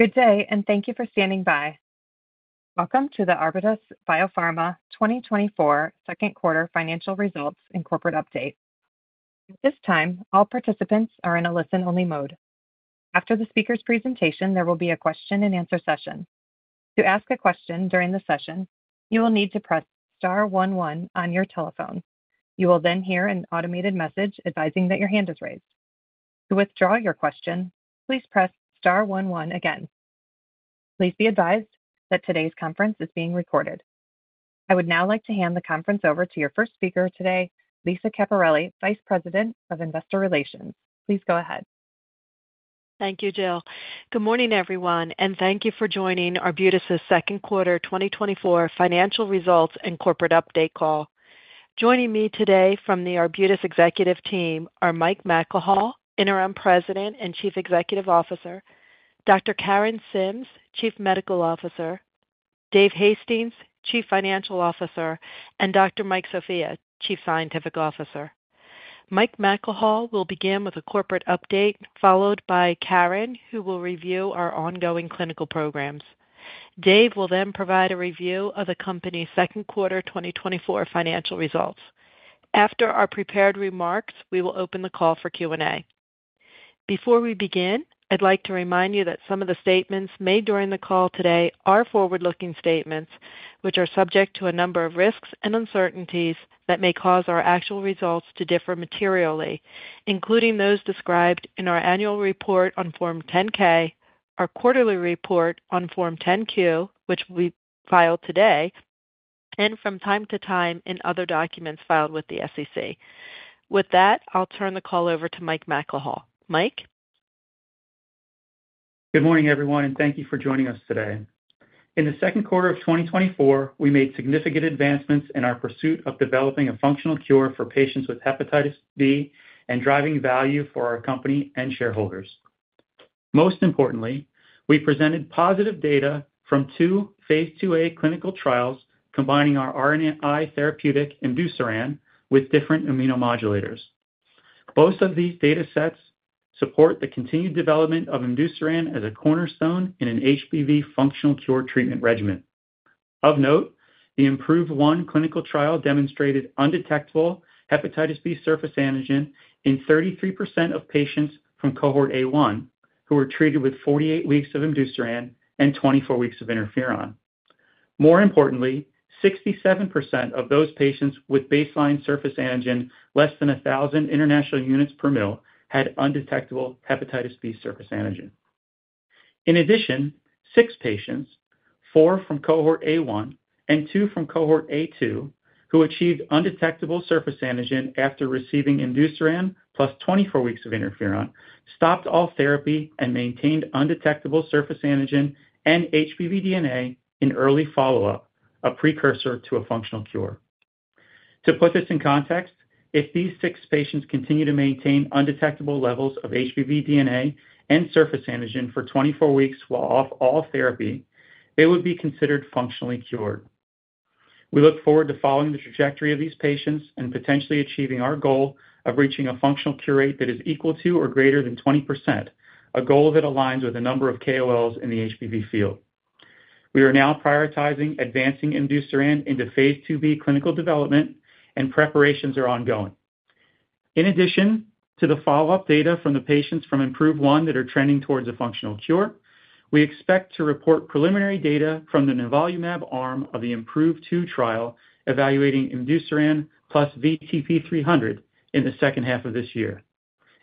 Good day, and thank you for standing by. Welcome to the Arbutus Biopharma 2024 second quarter financial results and corporate update. At this time, all participants are in a listen-only mode. After the speaker's presentation, there will be a question-and-answer session. To ask a question during the session, you will need to press star one one on your telephone. You will then hear an automated message advising that your hand is raised. To withdraw your question, please press star one one again. Please be advised that today's conference is being recorded. I would now like to hand the conference over to your first speaker today, Lisa Caperelli, Vice President of Investor Relations. Please go ahead. Thank you, Jill. Good morning, everyone, and thank you for joining Arbutus' second quarter 2024 financial results and corporate update call. Joining me today from the Arbutus executive team are Mike McElhaugh, Interim President and Chief Executive Officer, Dr. Karen Sims, Chief Medical Officer, Dave Hastings, Chief Financial Officer, and Dr. Mike Sofia, Chief Scientific Officer. Mike McElhaugh will begin with a corporate update, followed by Karen, who will review our ongoing clinical programs. Dave will then provide a review of the company's second quarter 2024 financial results. After our prepared remarks, we will open the call for Q&A. Before we begin, I'd like to remind you that some of the statements made during the call today are forward-looking statements, which are subject to a number of risks and uncertainties that may cause our actual results to differ materially, including those described in our annual report on Form 10-K, our quarterly report on Form 10-Q, which we filed today, and from time to time in other documents filed with the SEC. With that, I'll turn the call over to Mike McElhaugh. Mike? Good morning, everyone, and thank you for joining us today. In the second quarter of 2024, we made significant advancements in our pursuit of developing a functional cure for patients with hepatitis B and driving value for our company and shareholders. Most importantly, we presented positive data from two Phase IIa clinical trials combining our RNAi therapeutic, imdusiran, with different immunomodulators. Both of these data sets support the continued development of imdusiran as a cornerstone in an HBV functional cure treatment regimen. Of note, the IMPROVE-1 clinical trial demonstrated undetectable hepatitis B surface antigen in 33% of patients from cohort A-1 who were treated with 48 weeks of imdusiran and 24 weeks of interferon. More importantly, 67% of those patients with baseline surface antigen less than 1,000 international units per mL had undetectable hepatitis B surface antigen. In addition, six patients, four from cohort A-1 and two from cohort A-2, who achieved undetectable surface antigen after receiving imdusiran plus 24 weeks of interferon, stopped all therapy and maintained undetectable surface antigen and HBV DNA in early follow-up, a precursor to a functional cure. To put this in context, if these six patients continue to maintain undetectable levels of HBV DNA and surface antigen for 24 weeks while off all therapy, they would be considered functionally cured. We look forward to following the trajectory of these patients and potentially achieving our goal of reaching a functional cure rate that is equal to or greater than 20%, a goal that aligns with a number of KOLs in the HBV field. We are now prioritizing advancing imdusiran into Phase IIb clinical development, and preparations are ongoing. In addition to the follow-up data from the patients from IMPROVE-1 that are trending towards a functional cure, we expect to report preliminary data from the nivolumab arm of the IMPROVE-2 trial, evaluating imdusiran plus VTP-300 in the second half of this year.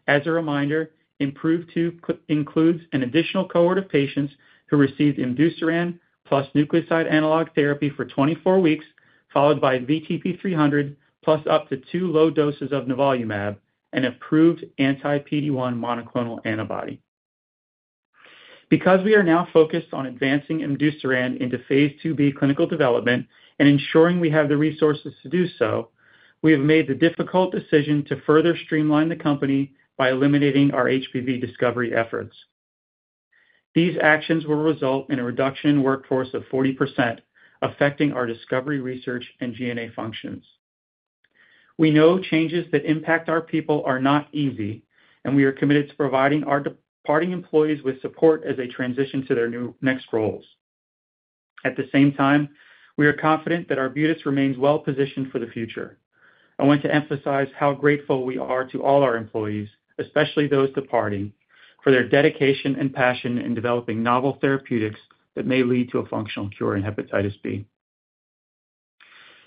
As a reminder, IMPROVE-2 includes an additional cohort of patients who received imdusiran plus nucleoside analog therapy for 24 weeks, followed by VTP-300 plus up to 2 low doses of nivolumab, an approved anti-PD-1 monoclonal antibody. Because we are now focused on advancing imdusiran into Phase IIb clinical development and ensuring we have the resources to do so, we have made the difficult decision to further streamline the company by eliminating our HBV discovery efforts. These actions will result in a reduction in workforce of 40%, affecting our discovery, research, and G&A functions. We know changes that impact our people are not easy, and we are committed to providing our departing employees with support as they transition to their new next roles. At the same time, we are confident that Arbutus remains well positioned for the future. I want to emphasize how grateful we are to all our employees, especially those departing, for their dedication and passion in developing novel therapeutics that may lead to a functional cure in hepatitis B.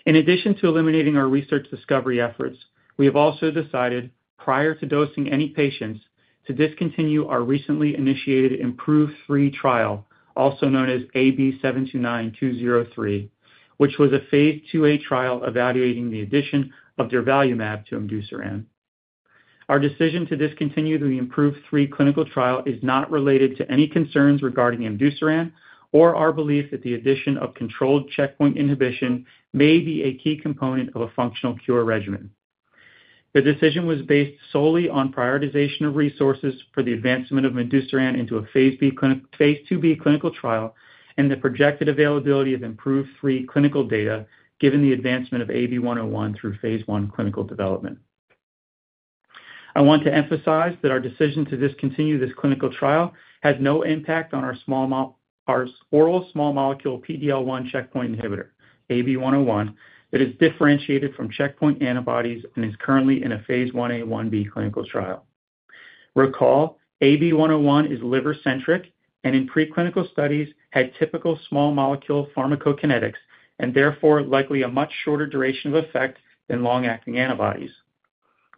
In addition to eliminating our research discovery efforts, we have also decided, prior to dosing any patients, to discontinue our recently initiated IMPROVE-3 trial, also known as AB-729-203, which was a Phase IIa trial evaluating the addition of durvalumab to imdusiran. Our decision to discontinue the IMPROVE-3 clinical trial is not related to any concerns regarding imdusiran or our belief that the addition of controlled checkpoint inhibition may be a key component of a functional cure regimen. The decision was based solely on prioritization of resources for the advancement of imdusiran into a Phase IIb clinical trial and the projected availability of IMPROVE-3 clinical data, given the advancement of AB-101 through Phase I clinical development. I want to emphasize that our decision to discontinue this clinical trial has no impact on our oral small molecule PD-L1 checkpoint inhibitor, AB-101, that is differentiated from checkpoint antibodies and is currently in a Phase Ia/Ib clinical trial. Recall, AB-101 is liver-centric and in preclinical studies had typical small molecule pharmacokinetics, and therefore likely a much shorter duration of effect than long-acting antibodies.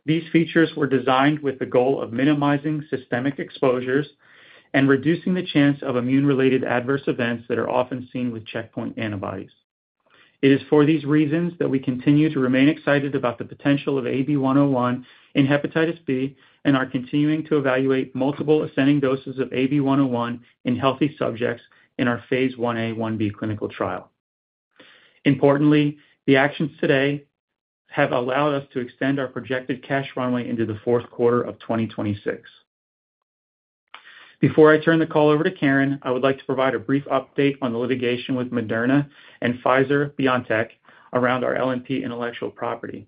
These features were designed with the goal of minimizing systemic exposures and reducing the chance of immune-related adverse events that are often seen with checkpoint antibodies. It is for these reasons that we continue to remain excited about the potential of AB-101 in hepatitis B and are continuing to evaluate multiple ascending doses of AB-101 in healthy subjects in our Phase Ia/Ib clinical trial. Importantly, the actions today have allowed us to extend our projected cash runway into the fourth quarter of 2026. Before I turn the call over to Karen, I would like to provide a brief update on the litigation with Moderna and Pfizer-BioNTech around our LNP intellectual property.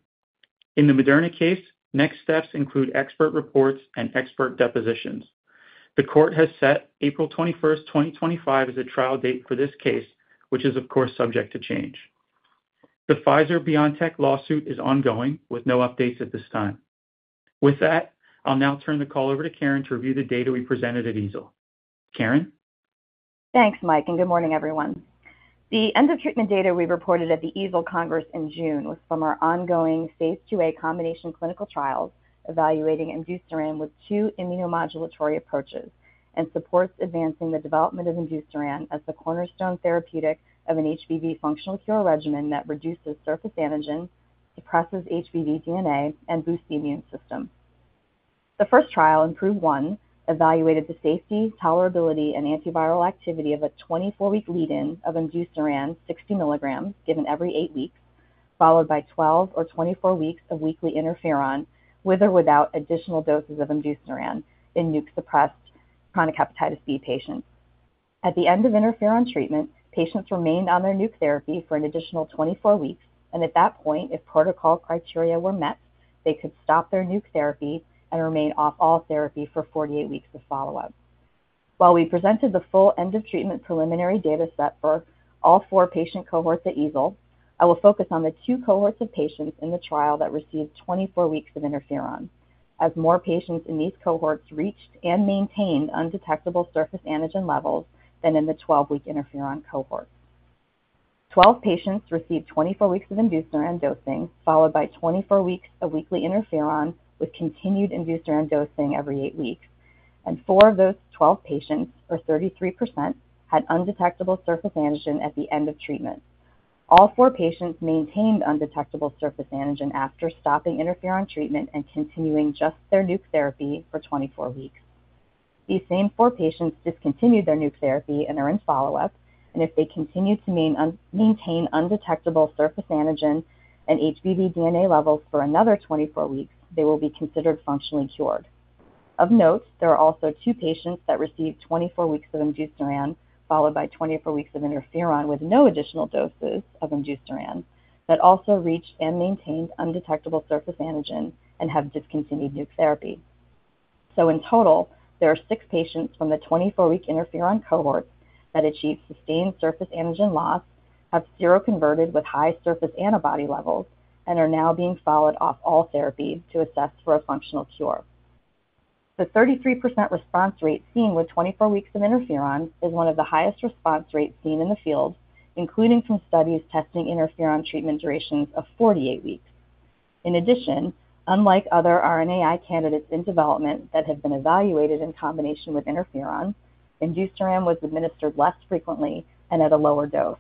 In the Moderna case, next steps include expert reports and expert depositions. The court has set April 21, 2025, as a trial date for this case, which is, of course, subject to change. The Pfizer-BioNTech lawsuit is ongoing, with no updates at this time. With that, I'll now turn the call over to Karen to review the data we presented at EASL. Karen? Thanks, Mike, and good morning, everyone. The end-of-treatment data we reported at the EASL Congress in June was from our ongoing Phase IIa combination clinical trials, evaluating imdusiran with two immunomodulatory approaches and supports advancing the development of imdusiran as the cornerstone therapeutic of an HBV functional cure regimen that reduces surface antigen, suppresses HBV DNA, and boosts the immune system. The first trial, IMPROVE-1, evaluated the safety, tolerability, and antiviral activity of a 24-week lead-in of imdusiran 60 milligrams, given every eight weeks, followed by 12 or 24 weeks of weekly interferon, with or without additional doses of imdusiran in Nuc-suppressed chronic hepatitis B patients. At the end of interferon treatment, patients remained on their Nuc therapy for an additional 24 weeks, and at that point, if protocol criteria were met, they could stop their Nuc therapy and remain off all therapy for 48 weeks of follow-up. While we presented the full end-of-treatment preliminary data set for all four patient cohorts at EASL, I will focus on the two cohorts of patients in the trial that received 24 weeks of interferon, as more patients in these cohorts reached and maintained undetectable surface antigen levels than in the 12-week interferon cohort. 12 patients received 24 weeks of imdusiran dosing, followed by 24 weeks of weekly interferon, with continued imdusiran dosing every eight weeks. Four of those 12 patients, or 33%, had undetectable surface antigen at the end of treatment. All four patients maintained undetectable surface antigen after stopping interferon treatment and continuing just their Nuc therapy for 24 weeks. These same four patients discontinued their Nuc therapy and are in follow-up, and if they continue to maintain undetectable surface antigen and HBV DNA levels for another 24 weeks, they will be considered functionally cured. Of note, there are also two patients that received 24 weeks of imdusiran, followed by 24 weeks of interferon with no additional doses of imdusiran, that also reached and maintained undetectable surface antigen and have discontinued Nuc therapy. So in total, there are six patients from the 24-week interferon cohort that achieved sustained surface antigen loss, have seroconverted with high surface antibody levels, and are now being followed off all therapy to assess for a functional cure. The 33% response rate seen with 24 weeks of interferon is one of the highest response rates seen in the field, including from studies testing interferon treatment durations of 48 weeks. In addition, unlike other RNAi candidates in development that have been evaluated in combination with interferon, imdusiran was administered less frequently and at a lower dose.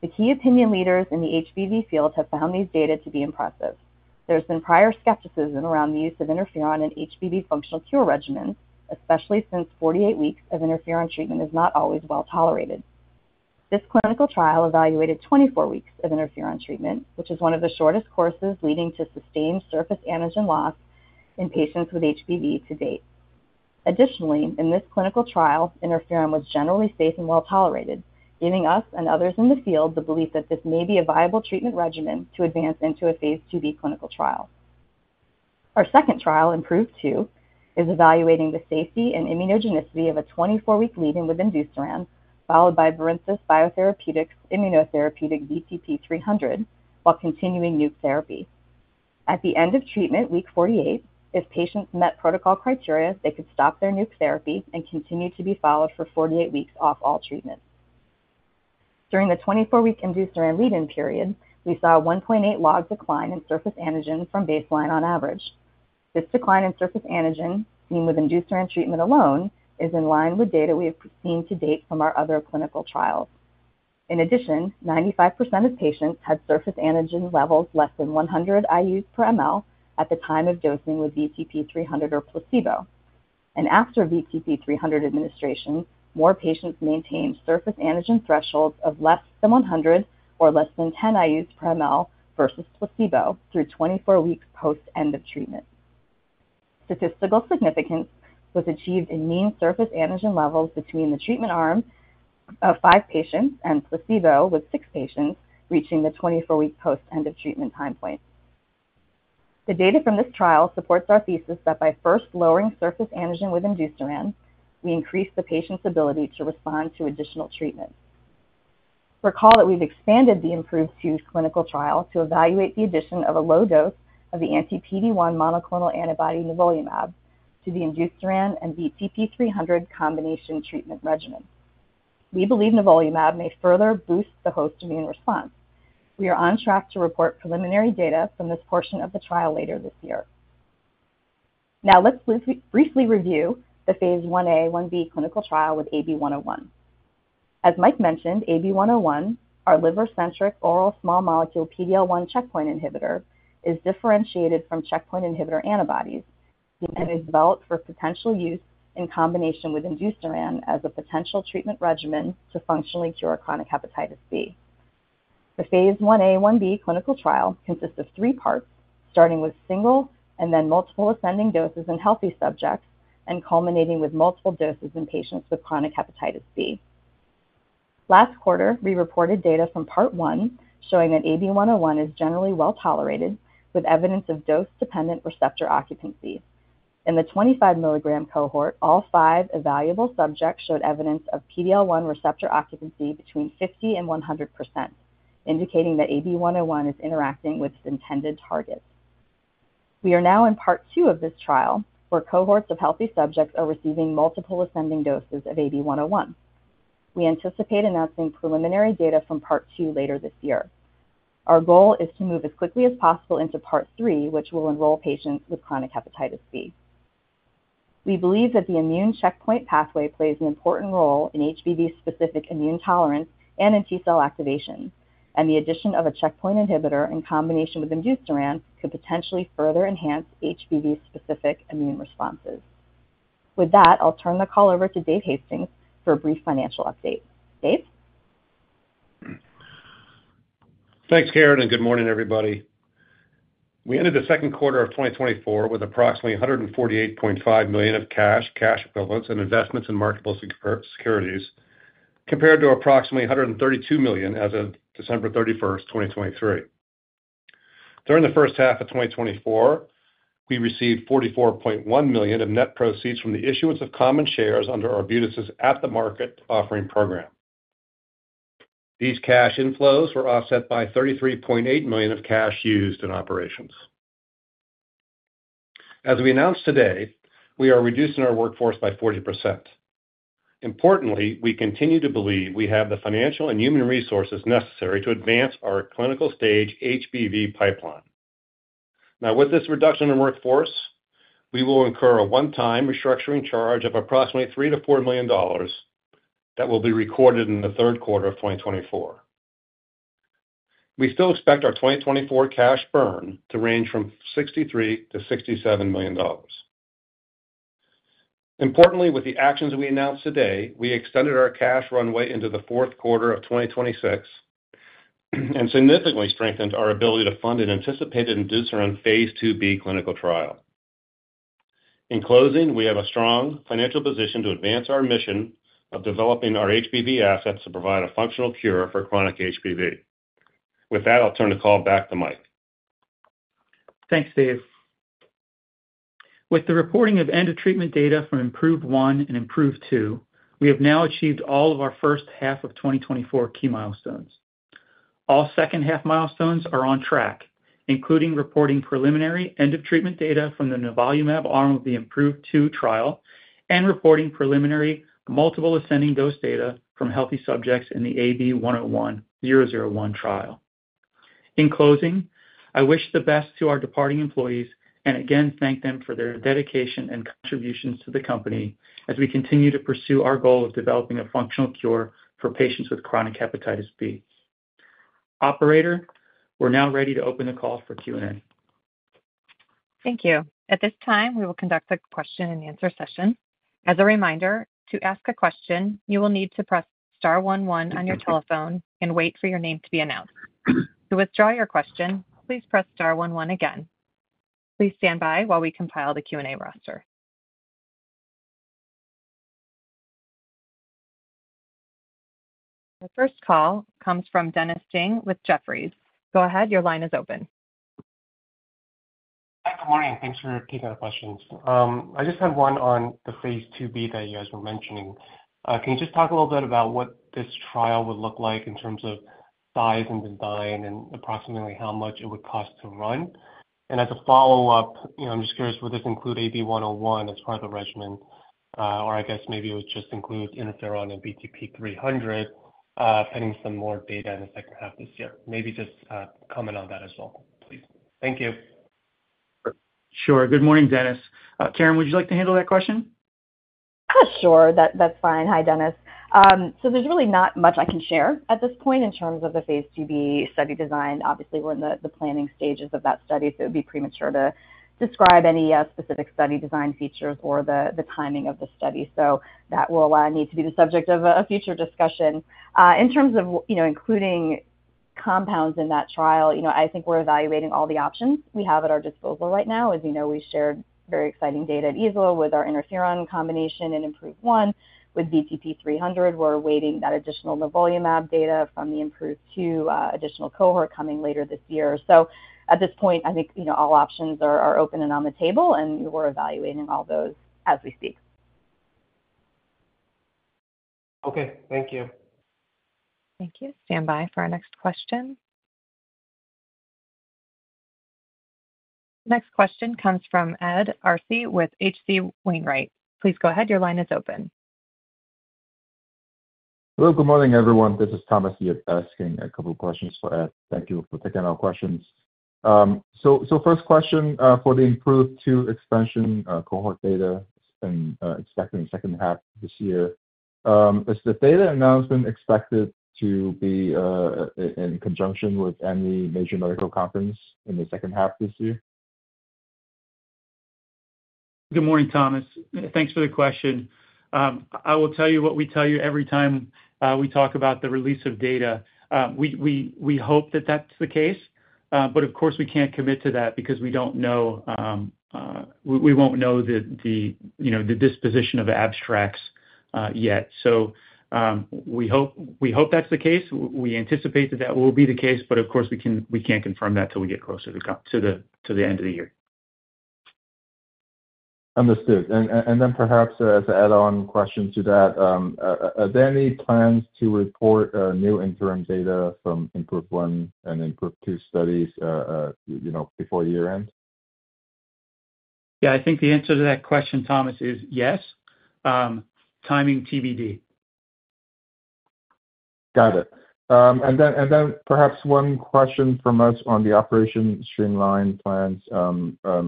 The key opinion leaders in the HBV field have found these data to be impressive. There's been prior skepticism around the use of interferon in HBV functional cure regimens, especially since 48 weeks of interferon treatment is not always well tolerated. This clinical trial evaluated 24 weeks of interferon treatment, which is one of the shortest courses leading to sustained surface antigen loss in patients with HBV to date. Additionally, in this clinical trial, interferon was generally safe and well-tolerated, giving us and others in the field the belief that this may be a viable treatment regimen to advance into a Phase IIb clinical trial. Our second trial, IMPROVE-2, is evaluating the safety and immunogenicity of a 24-week lead-in with imdusiran, followed by Verve Therapeutics' immunotherapeutic VTP-300, while continuing Nuc therapy. At the end of treatment, week 48, if patients met protocol criteria, they could stop their Nuc therapy and continue to be followed for 48 weeks off all treatment. During the 24-week imdusiran lead-in period, we saw a 1.8 log decline in surface antigen from baseline on average. This decline in surface antigen, seen with imdusiran treatment alone, is in line with data we have seen to date from our other clinical trials. In addition, 95% of patients had surface antigen levels less than 100 IUs per mL at the time of dosing with VTP-300 or placebo. After VTP-300 administration, more patients maintained surface antigen thresholds of less than 100 or less than 10 IUs per mL versus placebo through 24 weeks post end of treatment. Statistical significance was achieved in mean surface antigen levels between the treatment arm of five patients and placebo, with six patients reaching the 24-week post end of treatment time point. The data from this trial supports our thesis that by first lowering surface antigen with imdusiran, we increase the patient's ability to respond to additional treatment. Recall that we've expanded the IMPROVE-2 clinical trial to evaluate the addition of a low dose of the anti-PD-1 monoclonal antibody nivolumab to the imdusiran and VTP-300 combination treatment regimen. We believe nivolumab may further boost the host immune response. We are on track to report preliminary data from this portion of the trial later this year. Now let's briefly review the Phase Ia/Ib clinical trial with AB-101. As Mike mentioned, AB-101, our liver-centric oral small molecule PD-L1 checkpoint inhibitor, is differentiated from checkpoint inhibitor antibodies and is developed for potential use in combination with imdusiran as a potential treatment regimen to functionally cure chronic hepatitis B. The Phase Ia/Ib clinical trial consists of three parts, starting with single and then multiple ascending doses in healthy subjects and culminating with multiple doses in patients with chronic hepatitis B. Last quarter, we reported data from part one, showing that AB-101 is generally well tolerated, with evidence of dose-dependent receptor occupancy. In the 25 milligram cohort, all five evaluable subjects showed evidence of PD-L1 receptor occupancy between 50%-100%, indicating that AB-101 is interacting with its intended targets. We are now in part two of this trial, where cohorts of healthy subjects are receiving multiple ascending doses of AB-101. We anticipate announcing preliminary data from part two later this year. Our goal is to move as quickly as possible into part three, which will enroll patients with chronic hepatitis B. We believe that the immune checkpoint pathway plays an important role in HBV specific immune tolerance and in T cell activation, and the addition of a checkpoint inhibitor in combination with imdusiran could potentially further enhance HBV specific immune responses. With that, I'll turn the call over to Dave Hastings for a brief financial update. Dave? Thanks, Karen, and good morning, everybody. We ended the second quarter of 2024 with approximately $148.5 million of cash, cash equivalents, and investments in marketable securities, compared to approximately $132 million as of December 31, 2023. During the first half of 2024, we received $44.1 million of net proceeds from the issuance of common shares under Arbutus' at-the-market offering program. These cash inflows were offset by $33.8 million of cash used in operations. As we announced today, we are reducing our workforce by 40%. Importantly, we continue to believe we have the financial and human resources necessary to advance our clinical stage HBV pipeline. Now, with this reduction in workforce, we will incur a one-time restructuring charge of approximately $3 million-$4 million that will be recorded in the third quarter of 2024. We still expect our 2024 cash burn to range from $63 million-$67 million. Importantly, with the actions we announced today, we extended our cash runway into the fourth quarter of 2026 and significantly strengthened our ability to fund an anticipated imdusiran Phase IIb clinical trial. In closing, we have a strong financial position to advance our mission of developing our HBV assets to provide a functional cure for chronic HBV. With that, I'll turn the call back to Mike. Thanks, Dave. With the reporting of end-of-treatment data from IMPROVE-1 and IMPROVE-2, we have now achieved all of our first half of 2024 key milestones. All second-half milestones are on track, including reporting preliminary end-of-treatment data from the nivolumab arm of the IMPROVE-2 trial and reporting preliminary multiple ascending dose data from healthy subjects in the AB-101-001 trial. In closing, I wish the best to our departing employees and again thank them for their dedication and contributions to the company as we continue to pursue our goal of developing a functional cure for patients with chronic hepatitis B. Operator, we're now ready to open the call for Q&A. Thank you. At this time, we will conduct a question-and-answer session. As a reminder, to ask a question, you will need to press star one one on your telephone and wait for your name to be announced. To withdraw your question, please press star one one again. Please stand by while we compile the Q&A roster. The first call comes from Dennis Ding with Jefferies. Go ahead, your line is open. Hi, good morning. Thanks for taking our questions. I just have one on the Phase IIb that you guys were mentioning. Can you just talk a little bit about what this trial would look like in terms of size and design and approximately how much it would cost to run? And as a follow-up, you know, I'm just curious, would this include AB-101 as part of the regimen? Or I guess maybe it would just include interferon and VTP-300, pending some more data in the second half of this year. Maybe just comment on that as well, please. Thank you. Sure. Good morning, Dennis. Karen, would you like to handle that question? Sure. That's fine. Hi, Dennis. So there's really not much I can share at this point in terms of the Phase IIb study design. Obviously, we're in the planning stages of that study, so it would be premature to describe any specific study design features or the timing of the study. So that will need to be the subject of a future discussion. In terms of, you know, including-... compounds in that trial, you know, I think we're evaluating all the options we have at our disposal right now. As you know, we shared very exciting data at EASL with our interferon combination in IMPROVE-1. With VTP-300, we're awaiting that additional nivolumab data from the IMPROVE-2 additional cohort coming later this year. So at this point, I think, you know, all options are, are open and on the table, and we're evaluating all those as we speak. Okay, thank you. Thank you. Stand by for our next question. Next question comes from Ed Arce with H.C. Wainwright. Please go ahead. Your line is open. Well, good morning, everyone. This is Thomas Yip asking a couple of questions for Ed. Thank you for taking our questions. First question, for the IMPROVE-2 expansion cohort data and expected in the second half of this year. Is the data announcement expected to be in conjunction with any major medical conference in the second half of this year? Good morning, Thomas. Thanks for the question. I will tell you what we tell you every time we talk about the release of data. We hope that that's the case, but of course, we can't commit to that because we don't know. We won't know, you know, the disposition of the abstracts yet. So, we hope that's the case. We anticipate that that will be the case, but of course, we can't confirm that till we get closer to the end of the year. Understood. And then perhaps as an add-on question to that, are there any plans to report, you know, new interim data from IMPROVE-1 and IMPROVE-2 studies, you know, before year-end? Yeah, I think the answer to that question, Thomas, is yes. Timing TBD. Got it. And then perhaps one question from us on the operational streamlining plans. Are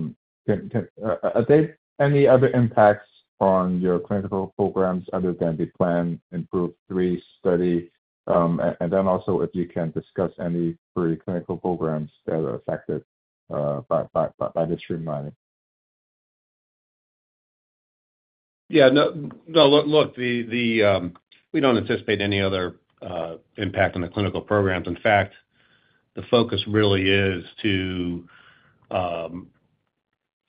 there any other impacts on your clinical programs other than the planned IMPROVE-3 study? And then also, if you can discuss any pre-clinical programs that are affected by the streamlining. Yeah, no, look, the we don't anticipate any other impact on the clinical programs. In fact, the focus really is to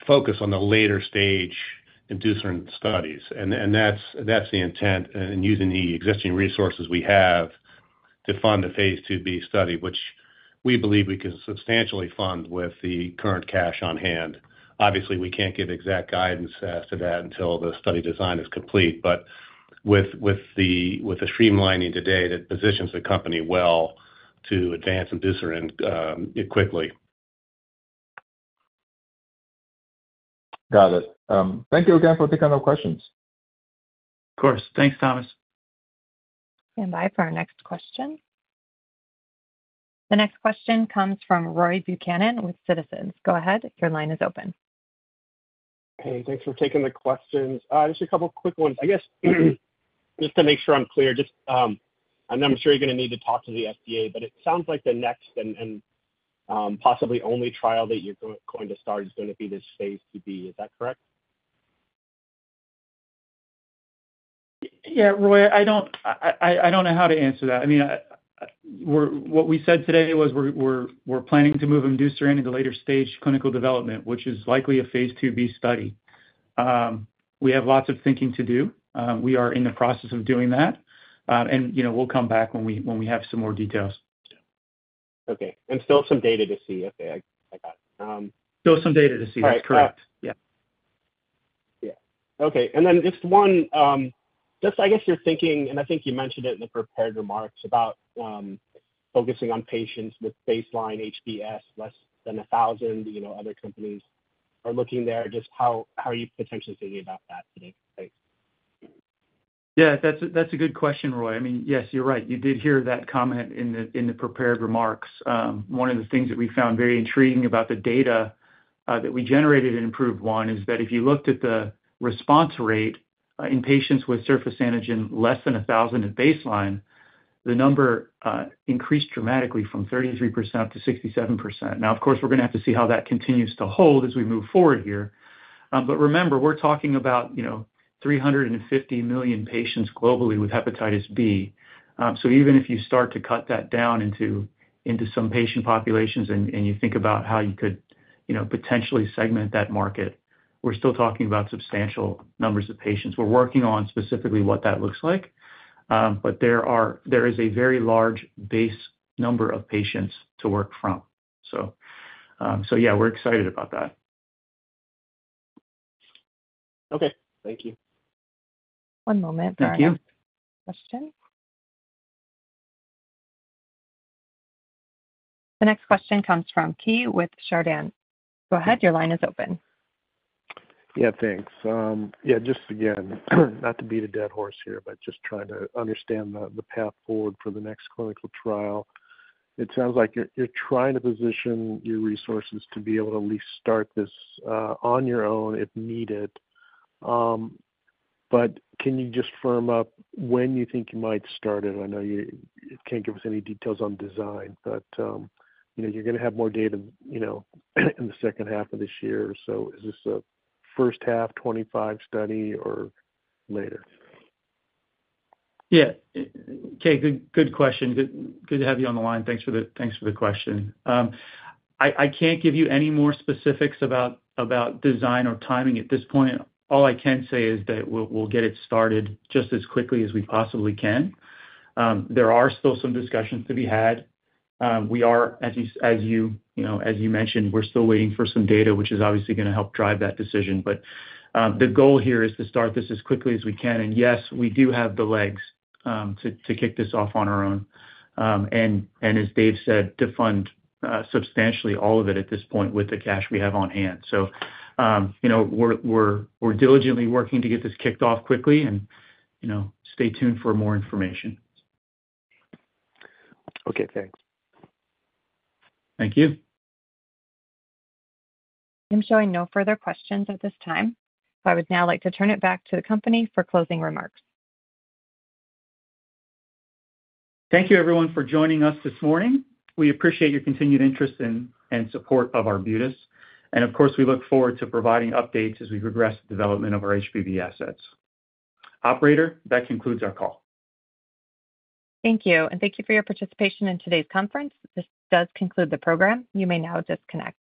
focus on the later stage imdusiran studies, and that's the intent. And using the existing resources we have to fund the Phase IIb study, which we believe we can substantially fund with the current cash on hand. Obviously, we can't give exact guidance as to that until the study design is complete, but with the streamlining today, that positions the company well to advance imdusiran quickly. Got it. Thank you again for taking our questions. Of course. Thanks, Thomas. Stand by for our next question. The next question comes from Roy Buchanan with Citizens. Go ahead, your line is open. Hey, thanks for taking the questions. Just a couple quick ones. I guess, just to make sure I'm clear, just and I'm sure you're gonna need to talk to the FDA, but it sounds like the next and possibly only trial that you're going to start is gonna be this Phase IIb. Is that correct? Yeah, Roy, I don't know how to answer that. I mean, we're what we said today was we're planning to move imdusiran into the later stage clinical development, which is likely a Phase IIb study. We have lots of thinking to do. We are in the process of doing that, and, you know, we'll come back when we have some more details. Okay, and still some data to see. Okay, I got it- Still some data to see. Right. Correct. Yeah. Yeah. Okay, and then just one, just I guess you're thinking, and I think you mentioned it in the prepared remarks about focusing on patients with baseline HBs less than 1,000. You know, other companies are looking there. Just how, how are you potentially thinking about that today? Thanks. Yeah, that's a good question, Roy. I mean, yes, you're right. You did hear that comment in the prepared remarks. One of the things that we found very intriguing about the data that we generated in IMPROVE-1 is that if you looked at the response rate in patients with surface antigen less than 1,000 at baseline, the number increased dramatically from 33%-67%. Now, of course, we're gonna have to see how that continues to hold as we move forward here. But remember, we're talking about, you know, 350 million patients globally with hepatitis B. So even if you start to cut that down into some patient populations and you think about how you could, you know, potentially segment that market, we're still talking about substantial numbers of patients. We're working on specifically what that looks like, but there is a very large base number of patients to work from. So, so yeah, we're excited about that. Okay, thank you. One moment. Thank you. For our next question. The next question comes from Keay with Chardan. Go ahead, your line is open. Yeah, thanks. Yeah, just again, not to beat a dead horse here, but just trying to understand the path forward for the next clinical trial. It sounds like you're trying to position your resources to be able to at least start this on your own, if needed. But can you just firm up when you think you might start it? I know you can't give us any details on design, but you know, you're gonna have more data, you know, in the second half of this year. So is this a first half 2025 study or later? Yeah, Keay, good, good question. Good, good to have you on the line. Thanks for the, thanks for the question. I can't give you any more specifics about design or timing at this point. All I can say is that we'll get it started just as quickly as we possibly can. There are still some discussions to be had. We are, as you know, as you mentioned, we're still waiting for some data, which is obviously gonna help drive that decision. But the goal here is to start this as quickly as we can. And yes, we do have the legs to kick this off on our own. And as Dave said, to fund substantially all of it at this point with the cash we have on hand. You know, we're diligently working to get this kicked off quickly, and, you know, stay tuned for more information. Okay, thanks. Thank you. I'm showing no further questions at this time, so I would now like to turn it back to the company for closing remarks. Thank you, everyone, for joining us this morning. We appreciate your continued interest and support of Arbutus. And of course, we look forward to providing updates as we progress the development of our HBV assets. Operator, that concludes our call. Thank you, and thank you for your participation in today's conference. This does conclude the program. You may now disconnect.